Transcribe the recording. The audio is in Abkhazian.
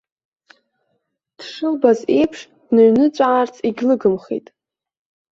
Дшылбаз аиԥш дныҩныҵәаарц егьлыгымхеит.